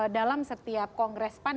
dalam setiap kongres pan